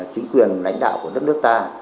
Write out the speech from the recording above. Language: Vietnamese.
chính quyền đánh đạo của đất nước ta